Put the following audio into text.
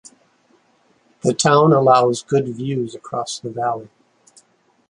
The town allows good views across the valley.